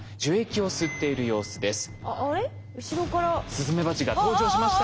スズメバチが登場しました。